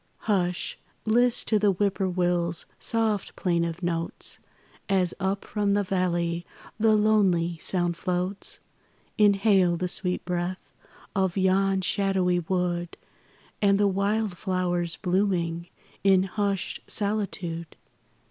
Hush! list to the Whip poor will's soft plaintive notes, As up from the valley the lonely sound floats, Inhale the sweet breath of yon shadowy wood And the wild flowers blooming in hushed solitude.